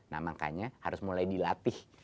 nah makanya harus mulai dilatih